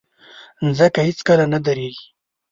مځکه هیڅکله نه دریږي.